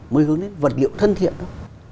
mới hướng đến vật liệu thân thiện đó